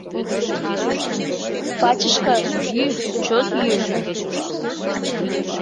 Пачышка, йӱ, чот йӱ...